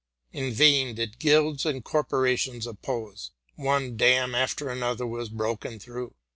In vain did guilds and corporations op pose: one dam after another was broken through.